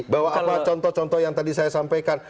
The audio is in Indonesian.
bahwa apa contoh contoh yang tadi saya sampaikan